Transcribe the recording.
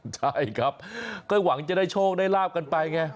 ใช่ครับก็หวังจะได้โชคได้ลาบกันไปไง